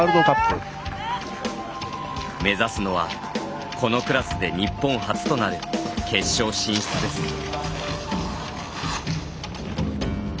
目指すのはこのクラスで日本初となる決勝進出です。